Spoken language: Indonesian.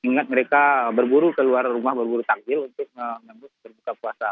ingat mereka berburu keluar rumah berburu tanggil untuk menembus kebuka kuasa